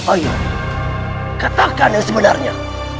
ayo katakan yang sebenarnya